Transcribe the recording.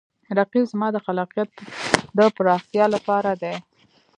رقیب زما د خلاقیت د پراختیا لپاره دی